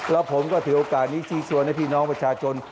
แล้วผมก็ถือโอกาสนี้ชี้ชวนให้พี่น้องประชาชน